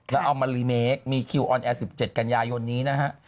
แล้วเอามารีเมคมีคิวออนแอร์๑๗กันยายนนี้นะฮะ